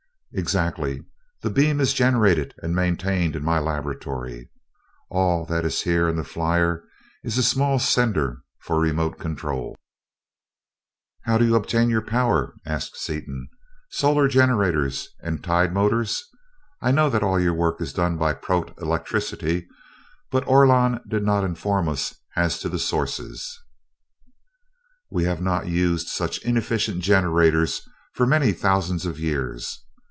"Exactly. The beam is generated and maintained in my laboratory. All that is here in the flier is a small sender, for remote control." "How do you obtain your power?" asked Seaton. "Solar generators and tide motors? I know that all your work is done by protelectricity, but Orlon did not inform us as to the sources." "We have not used such inefficient generators for many thousands of years.